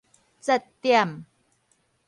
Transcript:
節點